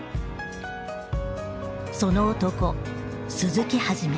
その男鈴木一。